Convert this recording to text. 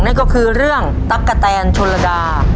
นั่นก็คือเรื่องตั๊กกะแตนชนระดา